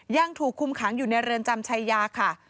ยังถูกคุมขังอยู่ในเรือนจำชายาค่ะ